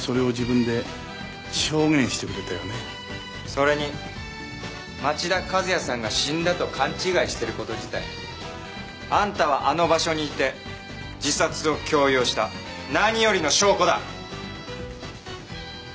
それに町田和也さんが死んだと勘違いしている事自体あんたはあの場所にいて自殺を強要した何よりの証拠だ！